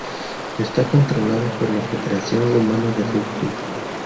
Está controlada por la Federación Rumana de Rugby.